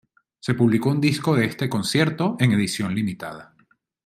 Se publicó un disco de este concierto, en edición limitada.